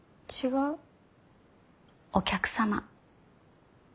お客様。